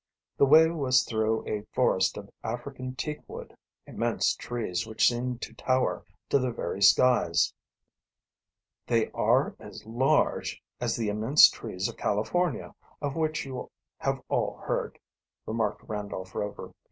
The way was through a forest of African teak wood, immense trees which seemed to tower to the very skies. "They are as large as the immense trees of California of which you have all heard," remarked Randolph Rover.